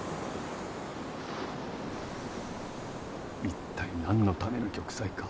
一体何のための玉砕か？